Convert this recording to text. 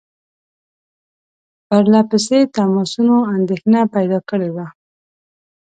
پرله پسې تماسونو اندېښنه پیدا کړې وه.